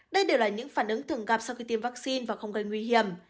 đây đều là những phản ứng thường gặp sau khi tiêm vaccine và không gây nguy hiểm